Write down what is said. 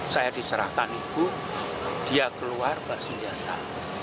saya diserahkan ibu dia keluar bersenjata